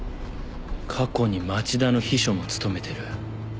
過去に町田の秘書も務めてる。